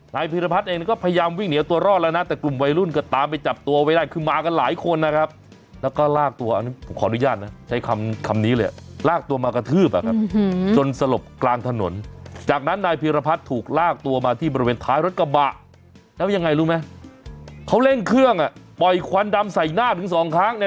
พีรพัฒน์เองก็พยายามวิ่งเหนียวตัวรอดแล้วนะแต่กลุ่มวัยรุ่นก็ตามไปจับตัวไว้ได้คือมากันหลายคนนะครับแล้วก็ลากตัวอันนี้ผมขออนุญาตนะใช้คำนี้เลยลากตัวมากระทืบอ่ะครับจนสลบกลางถนนจากนั้นนายพีรพัฒน์ถูกลากตัวมาที่บริเวณท้ายรถกระบะแล้วยังไงรู้ไหมเขาเร่งเครื่องอ่ะปล่อยควันดำใส่หน้าถึงสองครั้งใน